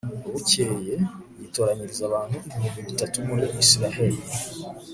bukeye yitoranyiriza abantu ibihumbi bitatu muri israheli